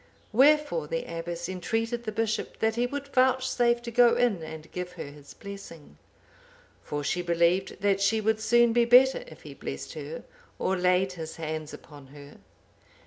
Wherefore the abbess entreated the bishop that he would vouchsafe to go in and give her his blessing; for she believed that she would soon be better if he blessed her or laid his hands upon her.